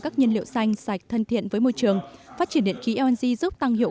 các nhiên liệu xanh sạch thân thiện với môi trường phát triển điện khí lng giúp tăng hiệu